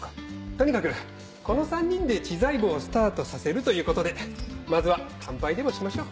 とにかくこの３人で知財部をスタートさせるということでまずは乾杯でもしましょう。